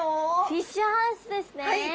フィッシュハウスですね。